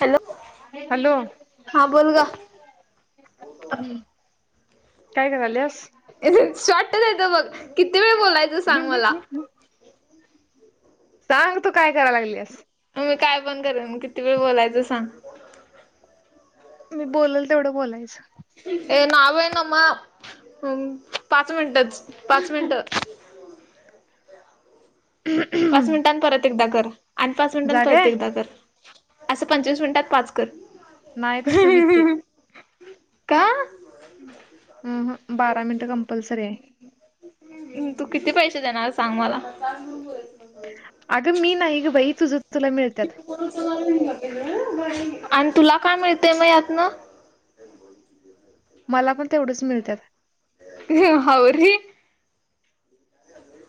Hello hello. हा बोल ग काय कराल्यास. शॉट देतो बग किती वेळ बोलायचं. सांग मला [unintelligible] सांग तू काय कराय लागल्यास. मग मी काय पण करीन मग किती वेळ बोलायचं सांग? मी बोलंल तेवढं बोलायचं. हे ना बाई नमा पाच मिनटंच पाच मिनटं. [unintelligible] पाच मिनटानं परत एकदा कर आणि पाच मिनिटां जाग परत आहे एकदा कर. असं पंचवीस मिनिटात पाच कर. नाय तसं. [unintelligible] का हम् ह बारा मिनट कंपल्सरी आहे. तू किती पैसे देणार सांग मला. अगं मी नाही ग बाई तुझं तुला मिळत्यात. आणि तुला काय मिळतय म यातनं. मला पण तेवढंच मिळत्यात. हावरे.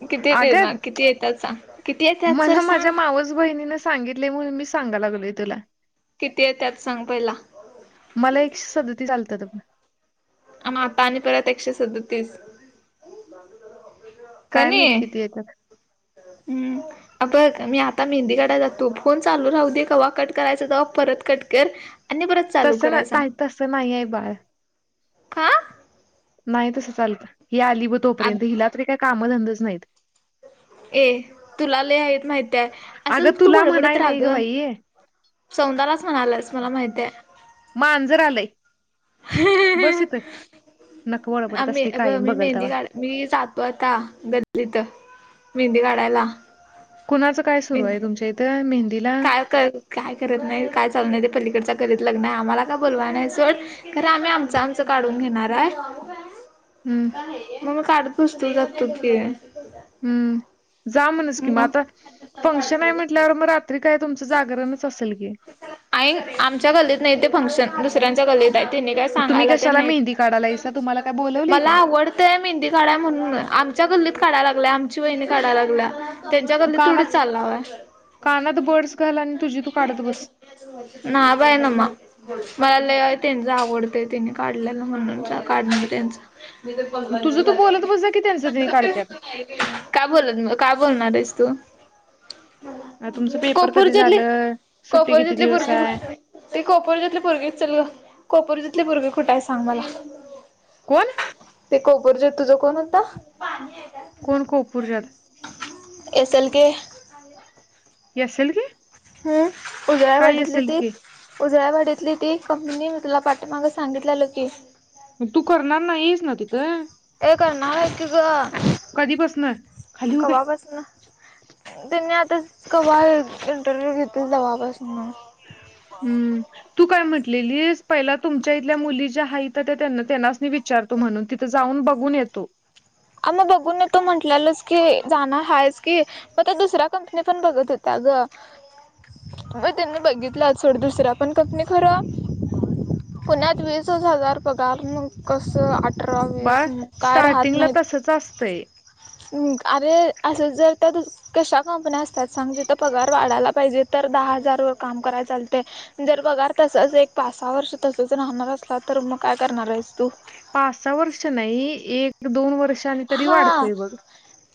किती आग देणार किती येतात सांग किती येतात सर मला सांग माझ्या मावस बहिणीन. सांगितलय म्हणून मी सांगा लागलोय तुला. किती येत्यात सांग पहिला. मला एकशे सदती आलत. आता आणि परत एकशे सदतीस. काय कणी माहीत किती येत्यात. हम्म अ बघ मी आता मेहंदी काढाय जातो फोन चालू राहू दे कावा कट करायचांय तेव्हा परत कट कर [unintelligible] तसं सांग नाही [unintelligible] तसं नाही आहे बाळ आ नाही तसं चालत ही आली ब आ तोपर्यंत हिला तरी काही कामधंदाच नाहीत ए तुला लय हायत माहिताय असं अगं तू तुला बडबडत म्हणाय नाही राहाग ग बाई सौंदालाच म्हणाल्यास मला माहिताय मांजर आलंय बस इथ नक वरबाडत आम्ही असतय कायम मी बघल मेहंदी तेव्हा काढ मी जातो आता गल्लीत मेहंदी काढायला कुणाचं काय सुरू हाय मेहंदी तुमच्या इथं मेहंदीला काय करत नाही काय चालू नाही ते पलीकडच्या गल्लीत लग्न आहे आम्हाला काय बोलवाय नाही सोड खरं आम्ही आमचं आमचं काढून घेणाराय हम्म म मी काढत बसतो जातो की हम्म जा म्हणस कि म मग आता फंक्शन आहे म्हंटल्यावर म रात तरी काय तुमचं जागरणच असल की आमच्या गलीत नाही ते फंक्शन दुसऱ्यांच्या गलीत तेनी काय मग तुम्ही सांगायला तेन कशाला मेहंदी काढायलायसा तुम्हाला काय नाहीत बोलवलय मला काय आवड ते मेहंदी काढा म्हणून आमच्या गल्लीत काढाय लागल्या आमची वहीणी काढाय लागल्या त्यांच्या गल्लीत थोडीच कानात चाललाव हाय कानात बर्ड्स घाल आणि तुझी तू काढत बस नाय बाईना म मला ल त्यांच आवडतंय त्यांनी काढलेला म्हणून काढणार त्यांच मी तर मग पंधरा तुझं दिवस तू झाले बोलत बस जा की त्यांचं त्यांनी पंधरा काढत्यात दिवस काय बोलत काय बोलणार आहेस तू तुमचं पेपर कधी कोपूरच्याली झालं सुट्टी किती कोपरजथले दिवस भरगे आहे ते कोपरजथले भुगे चल ग कोपोरजिथले भुगे कुठे आहे सांग मला कोण ते [unintelligible] तुझ कोण होता कोण [unintelligible] [unintelligible] [unintelligible] उजळ्या काय वाडीतली असेल ती की उजळ्या वाडीतली ती कंपनी मी तुला पाठमागं सांगितलेलो की तू करणार नायेस ना तिथं ए करणार आहे कि ग कधीपासन खाली हो काय कवापासन त्यांनी आताच क इंटरव्ह्यू घेतली जवपासून म्हण हम्म तू काय म्हटलेली पहिला तुमच्या इथल्या मुली ज्या आहेत त्या त्यां त्यांना मच विचारतो म्हणून तिथं जाऊन बघून येतो आ म बघून तो म्हटलेलाच की जाण हायच की मग त्या दुसऱ्या कंपनी पण बघत होत्या ग मग त्यांनी बघितलं थोड दुसरा पण कक नाही खरं पुण्यात वीस हजार पगार कस आट बा स्टार्टिंगला तसच असतंय हमं अरे असल ज तर कशा कंपन्या असतात सांग तिथं पगार वाढायला पाहिजे तर दहा हजार वर काम कराय चालते. जर पगार तसाच एक पाच सहा वर्ष तसच राहणार असला तर मग काय करणार आहेस तू? पाच सहा वर्ष नाही एक दोन वर्ष हा.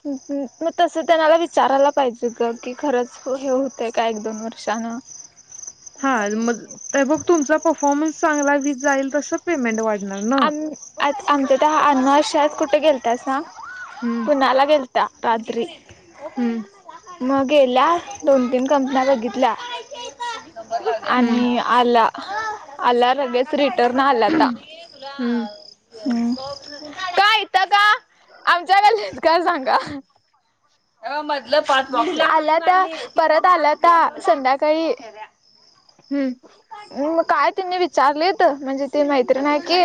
मग तसं त्यांनाला विचारायला पाहिजे ग की खरंच हे होतंय का एक दोन वर्षानं. हा मग बघ तुमचा परफॉर्मन्स चांगला व जाईल तस पेमेंट वाट आम आ आमच्या त्या अनर्शात कुठे गेलतासा हम्म पुनाला गेल धा कातरी. हम्म. मग गेल्या दोन तीन कंपन्या बघितल्या. हम्म आणि आला आला लगेच रिटर्न आलाता. हम्म काय. तका आमच्याकलीत का सांगा. अ मधलं पान वाप आलंता परत आलाता संध्याकाळी. हम्म. मग काय त्यांनी विचारलीत म्हणजे ती मैत्रीन हाय की.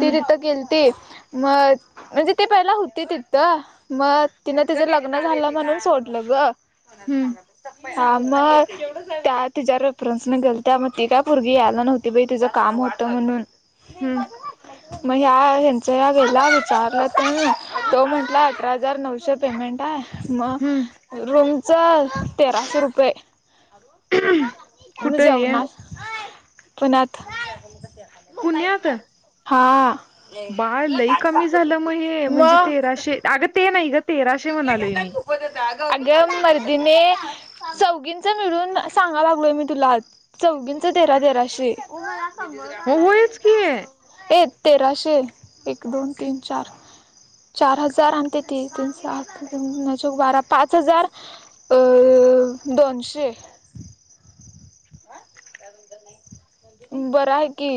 ती तिथे गेलती. मग म्हणजे ते पहिला होते तिथं, मग तिन तिज लग्न लग्न झालं म्हणून सोडलं ग, हम्म हा मग त्या तिच्या रेफरन्स न गेल त्या मग ती का पोरगी यायला नव्हती बाई तिझं काम होत म्हणून. हम्म [inaudible] मग ह्या ह्यांच्या या वेळेला विचारलं ती तो म्हटला अठरा हजार नऊशे पेमेंट आहे मग हम्म रोंगच तेराशे रुपये न कुठं हे जेवना पुण्यातथ पुण्यात हा. बाळ लई कमी झालं म हे म्हणजे मग तेराशे अगं ते नाही ग तेराशे म्हणालोय मी. अगं मर्तीने चौघींच मिळून सांगा लागलोय मी तुला. चौघींचं तेरा तेराशे. हो व्हयच की. एक तेराशे एक, दोन, तीन, चार. चार हजार आणि ते तेहेतींस. पाच हजार दोनशे. बरं आहे की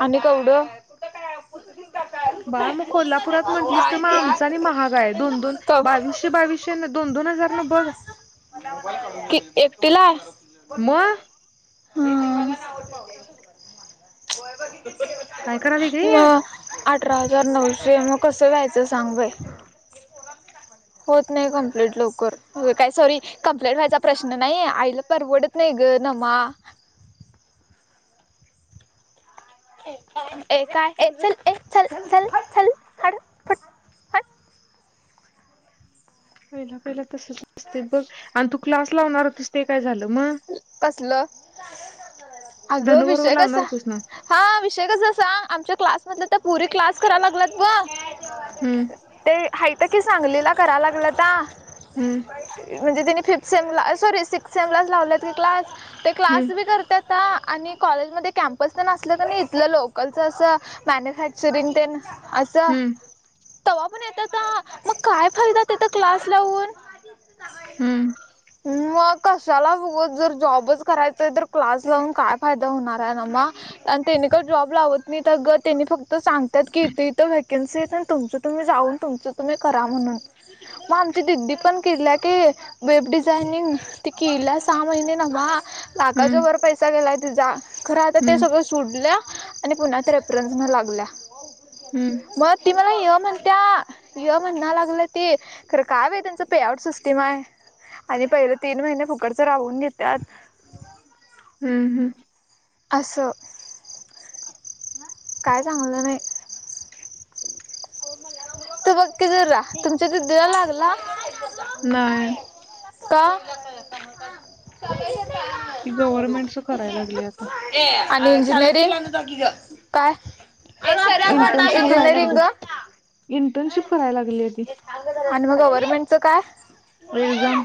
आणि कवडं बाळ मग कोल्हापुरात म्हटलीस तर मग आमचा आणि महागा आहे दोन दोन क बावीसशे बावीसशे दोन दोन हजार न बघ कि एकटीला. म काय करायला ग म. हे अठरा हजार नऊशे मग कसं वयचं सांगय‌. होत नाही कम्प्लीट लवकर‌. हो काय सॉरी कंप्लेंट व्हायचा प्रश्न नाही आईला परवडत नाही ग नमा. ए काय एक चल एक चल चल चल आत चल. हड फट हट पहिला पहिला तसच दिसतय बघ आणि तू क्लास लावणार होतीस ते काय झालं? मग कसलं अगं धनुबरोबर विषय कसा लावणार होतीस ना. हा विषय कसा जसा आमच्या क्लासमधल्या त्या पोरी क्लास करायला लागल्यात बघ. हम्म. ते हायतं की सांगलीला करा लागलंता. हम्म. म्हणजे तिने फिफ्थ सेमला सॉरी सिक्स्थ सेमलाच लावलेत क्लास ते क्लास हम्म बी करतात. ता आणि कॉलेजमध्येध्ये कॅम्पस तर नसलं तर इथलं लोकलच असं. मॅन्युफॅक्चरिंग तेन आसं. हम्म तवा पण येताचा मग काय फायदा त्याचा क्लास लावून? हम्म. मग कशाला हुत? जर जॉबच करायचाय तर क्लास लावून काय फायदा होणार आहे नाना? आणि त्यांनी का जॉब लावत नाही तर ग त्यांनी फक्त तो सांगतात की इथे इथं व्हकन्सी आहेत तर तुमचं तुम्ही जाऊन तुमचं तुम्ही करा म्हणून. मग आमच्या दिद्दी पण केलं की वेब डिझाईनिंग ती केलास. सहा महिने न ह हम्म नाकाच्याभर पैसा गेलाय तिचा खरं आता ते हम्म सगळं. तोडल्या आणि पुन्हा त्या एप्रिलला लागल्य. हम्म. मग त्या मला य म्हणत्यात. य म्हणण्याला तेर काम आहे तुमचं पे आउट सिस्टीम आहे आणि पहिले तीन महिने फुकट. जराहुन्नी त्यात. हम्म हम्म. आस. काय चांगलं नाही. त बघकी जरा तुमच्या इथे दिवा लागला? नाही का? ती गव्हर्नमेंटच करायला लागली आता. आणि झालं नाही काय? इंटर्नशिप करायला इंजिनिअरिंग लागली ग. इंटर्नशिप करायला लागलीये ती. आणि मग गव्हर्नमेंटचं काय? एक्झाम.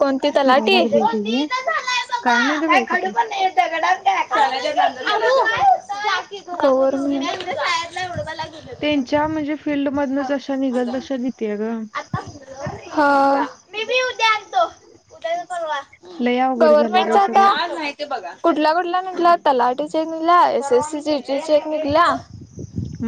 कोणते काय पिडायला तलाठी? लागली त्याची काय माहिती बाई कुठली [inaudible] रड लागे [unintelligible] त्यांच्या म्हणजे फिल्डमधनच अशा निघाल तशा देते ग. हा. तोवा लय अवघड झाले गव्हर्मेंट ते आ. सगळं बघ कुठल्या कुठला निघला तलाटी चेक निघला एस एससीसी चेक निघला.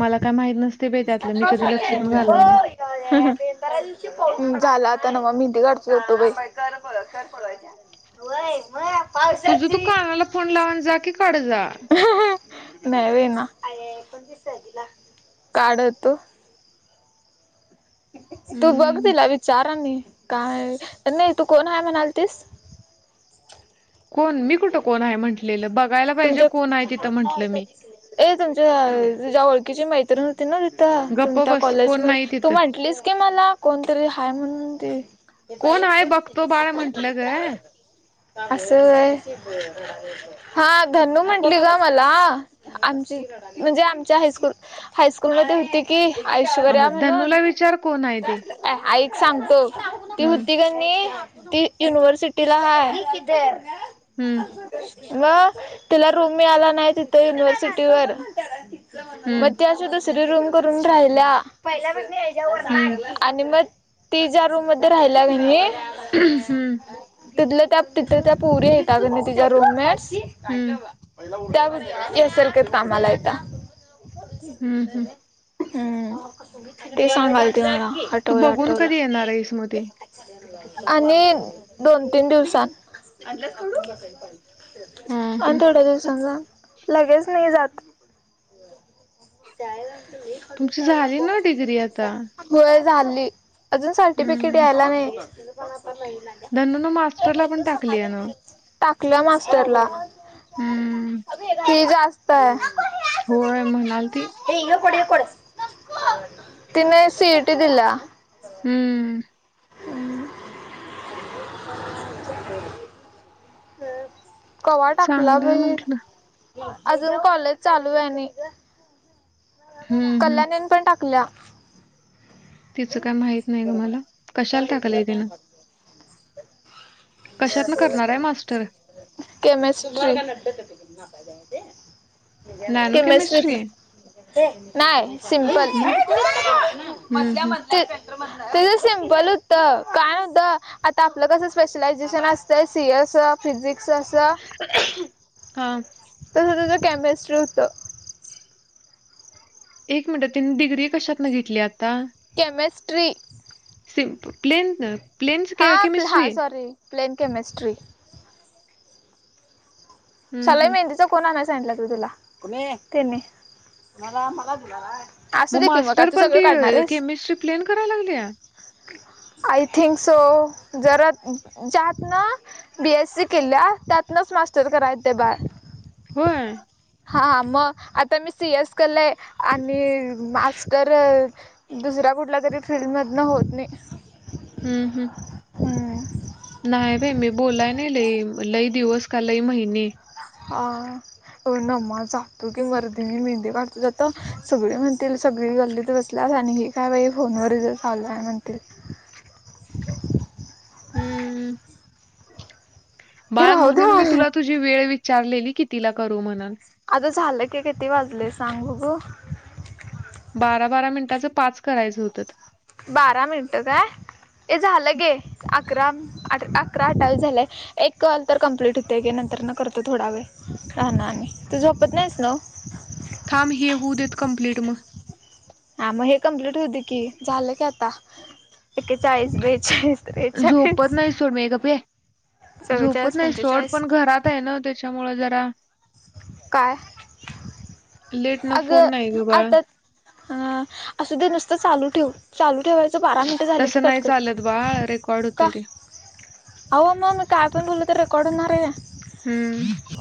मला काय माहत नसते बाई त्यातलं मी कधी लक्ष पण घालवय नाही. [unintelligible] हुं हुं. [unintelligible] व्हय व्हय आ. तुझं तू कानाला फोन लावून जा की काढला. हुं नेव्हींना काढतो. तू बघ हम्म तीला विचारांनी काय नाही तू कोणाला म्हणालयतीस? कोण? मी कुठं कोण आहे म्हटलेलं बघायला पाहिजे तुमच्या कोण आहे तिथं म्हंटलं मी. ए तुमच्या तुझ्या ओळखीची मैत्रीण ते ना तिथ गप्प तुमच्या बस कॉलेज कोण नाही मध्ये तू तिथं म्हटलीस की मला कोणतरी हाय म्हणून ती? ते बाई कोण आहे हा बघतो बाळ हा म्हंटलं ग हा असं होय. हा धनू म्हटली ग मला आमची म्हणजे आमच्या हायस्कूल हायस्कूल मध्ये होती कि ऐश्वर्या मग म्हणून. धनूला विचार कोण आहे ते ऐक सांगतो ती हम्म होती का ती युनिवर्सिटीला हाय. हम्म मग तिला रूम मिळाला नाही तिथे युनिव्हर्सिटीवर मग हम्म ते त तिथं रूम करून राहिल्या. [inaudible] हम्म. आणि मग ति ज्या रूम मध्ये राहिल्या कणी हम्म तिथ त्या तिथ त्या पुरी येतात तु तिच्या रूममेटस. हम्म त्याल का कामाला येत. हम्म हम्. हम्म ते सांगालते मला तू आठवलं बघून आठवलं. कधी येणार आहेस मग ते आणि दोन तीन दिवसात. हां आणि हां थोड्या दिवसांन. लगेच नाही जात. तुमची झाली ना डिग्री आता. होय झाली अजून सर्टिफिकेट यायला नाही. धनु मास्टरला पण टाकली आहे ना? टाकल्या मास्टरला. हम्म. कि जास्त आहे. होय म्हणालती ती. तिन सी ए टी दिल्या. हम्म. [unintelligible] कवा टाकला चांगलंय बाई? म्हटलं अजून कॉलेज चालू आहे न हम्म हम्म कल्याणी येन पण टाकल्या. तिचं काय माहित नाही ग मला, कशाला टाकालंय तिन? कशातनं करणार आहे मास्टर [inaudible] केमिस्ट्री ला. नॅनो केमिस्ट्रीत. केमिस्ट्री नाही सिमपल. मग हम्म हम्म तिचं सिम्पल होत. काय होत? आता आपलं कसं स्पेशलायझेशन असतय सी ए अस, फिजिक्स अस. हा. तसं तझं केमिस्ट्री होतं. एक मिनटात त्यांनी डिग्री कशात ना घेतली आता? केमिस्ट्री. सिमप प्लेन ना. हा हा सॉरी प्लेन केमिस्ट्री. हम्म सला हम्म मेहंदीचा कोण आण सांलं त तुलाला तु. मग मास्टर पण ती केमिस्ट्री प्लेन करायला लागल्या? आय थिंक सो, जरा जात ना बी. एस. सी केल्या, त्यातनच मास्टर कराय येतंय बाळ होय? हा, मग आता मी सी. एस केलंय आणि मास्टर दुसऱ्या कुठल्या तरी फिल्ड मधन होत नाही. हम्म हम्. नाही बाई मी बोलाय नाही लई, लई दिवस का लई महिने. हा. हो नम् जातो की मर्दीने, मी मेहंदे काढतो जातो, सगळे म्हणतील सगळी गल्ली [unintelligible] काय बाई फोनवर हीच चालू आहे म्हणतील. हम्! बाळ राहू दे म्हणून मी मला तुला तुझी वेळ विचारलेली, कितिला करू म्हणून. आता झालं की, किती वाजलंय सांग बघू? बारा-बारा मिनिटाचं पाच करायचं होतं. बारा मिनटं काय, ये झालं गे अकरा अकरा अठावीस झालंय. एक कॉल तर कम्प्लीट होतोय घे, नंतर न करतो, थोडा वेळ राहणं आणि, तू झोपत नाहीस नव? थांब हे होऊ देत कंम्प्लीट मग. हा, मग हे कम्प्लीट होऊ कि झालं की आता, एकेचाळीस, बेचाळीस, त्रेचाळीस होत नाही सोड मे, गप्पे. चव्वेचाळीस, पंचेचाळीस नव त्याच्यामुळ जरा काय? लेट न आग फोन नाही ग बाळ आता हा, असू दे नुसतं चालू ठेव. चालू ठेवायचं, बारा मिनटं झाले की तसं नाही कटकर, चालत बाळ रेकॉर्ड का. होते ते अवा म मी काय पण बोलतर रेकॉर्ड होणार हे? हम्म.